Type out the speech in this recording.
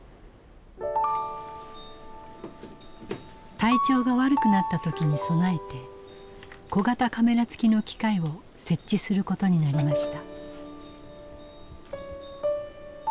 体調が悪くなった時に備えて小型カメラ付きの機械を設置することになりました。